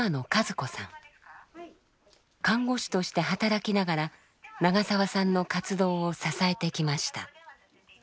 看護師として働きながら長澤さんの活動を支えてきました。